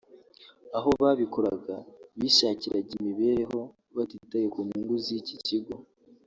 Aho babikoraga bishakiraga imibereho batitaye ku nyungu z’iki kigo